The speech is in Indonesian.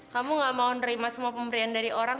kamu gak mau nerima semua pemberian dari orang